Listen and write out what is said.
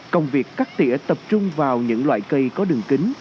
công việc cắt tỉa tập trung vào những loại cây có đường kính